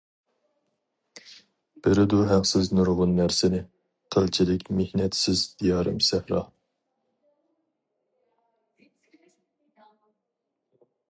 بېرىدۇ ھەقسىز نۇرغۇن نەرسىنى، قىلچىلىك مېھنەتسىز دىيارىم سەھرا.